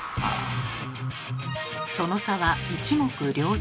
その差は一目瞭然。